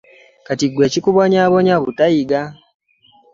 Kati ggwe ekikubonyaabonya butayiga.